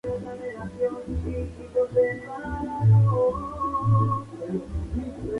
El coro lo canta por Kon Artis.